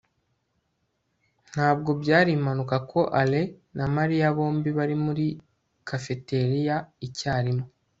ntabwo byari impanuka ko alain na mariya bombi bari muri cafeteria icyarimwe